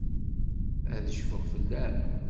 Ad cfuɣ fell-am.